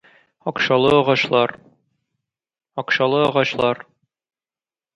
Акчалы агачлар